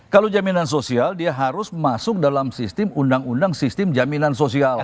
kalau jaminan sosial dia harus masuk dalam sistem undang undang sistem jaminan sosial